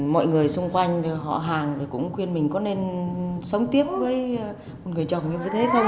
mọi người xung quanh họ hàng thì cũng khuyên mình có nên sống tiếp với một người chồng như thế không